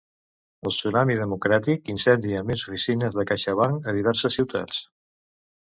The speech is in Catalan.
El Tsunami Democràtic incendia més oficines de CaixaBank a diverses ciutats.